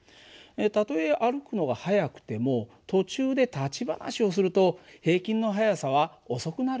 たとえ歩くのが速くても途中で立ち話をすると平均の速さは遅くなるよね。